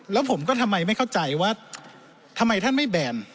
แล้วผมก็ทำไมไม่เข้าใจว่าทำไมท่านไม่แบน